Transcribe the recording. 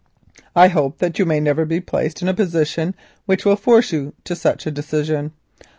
I hope that you may never be placed in a position which will force you to such a decision.